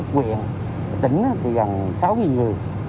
quận tỉnh thì gần sáu người